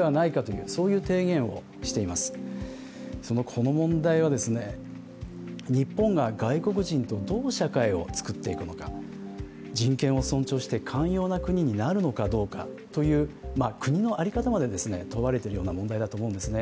この問題は、日本が外国人とどう社会を作っていくのか、人権を尊重して寛容な国になるのかどうかという国の在り方まで問われているような問題だと思うんですね。